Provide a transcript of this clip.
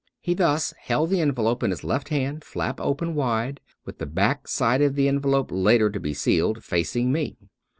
He thus held the envelope in his left hand, flap open wide, with the back side of the envelope later to be sealed, facing me.